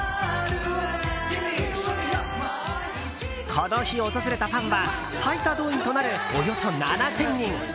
この日、訪れたファンは最多動員となるおよそ７０００人。